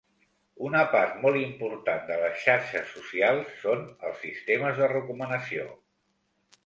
Una part molt important de les xarxes socials són els sistemes de recomanació.